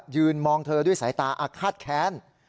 ยืนมองเธอด้วยสายตาอาฆาตแค้น